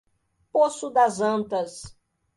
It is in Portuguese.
Poço das Antas